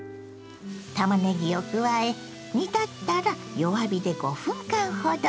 たまねぎを加え煮立ったら弱火で５分間ほど。